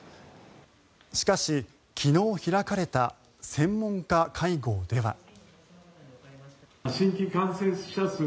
しかし、昨日開かれた専門家会合では。